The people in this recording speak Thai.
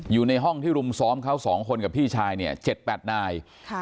อยู่ในห้องที่รุมซ้อมเขา๒คนกับพี่ชายเนี่ย๗๘นาย